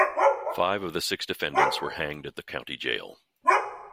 Five of the six defendants were hanged at the county jail.